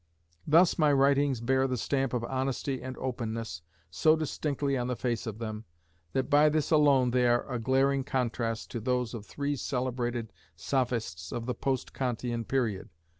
Thus my writings bear the stamp of honesty and openness so distinctly on the face of them, that by this alone they are a glaring contrast to those of three celebrated sophists of the post Kantian period.